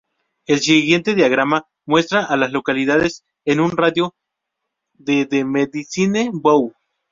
El siguiente diagrama muestra a las localidades en un radio de de Medicine Bow.